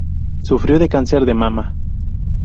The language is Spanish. Sufrió cáncer de mama.